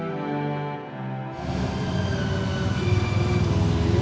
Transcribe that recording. aku juga akan kecewa sama seperti dia